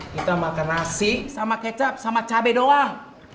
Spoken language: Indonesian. kita makan nasi sama kecap sama cabai doang